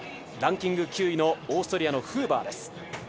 ランキング９位のオーストリアのフーバーです。